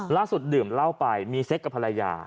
ดื่มเหล้าไปมีเซ็กกับภรรยา